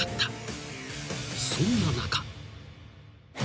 ［そんな中］